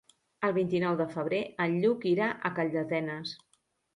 El vint-i-nou de febrer en Lluc irà a Calldetenes.